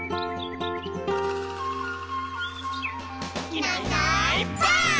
「いないいないばあっ！」